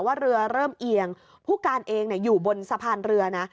ว่าเรือเริ่มเอียงผู้การเองอยู่บนสะพานเรือนะ